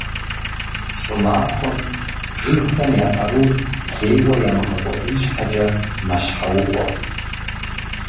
Щӏымахуэм жыгхэм я къарур лейуэ ямыгъэкӏуэдын щхьэкӏэ «мэщхьэукъуэ».